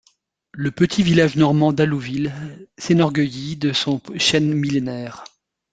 Le petit village normand d'Allouville s'enorgueillit de son chêne millénaire.